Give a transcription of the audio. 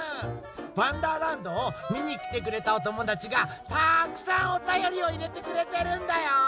「わんだーらんど」をみにきてくれたおともだちがたくさんおたよりをいれてくれてるんだよ！